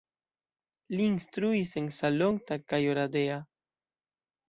Li instruis en Salonta kaj Oradea.